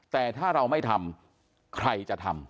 แต่ถ้าเราไม่ทำใครจะทำ